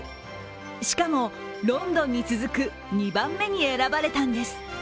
しかも、ロンドンに続く２番目に選ばれたんです。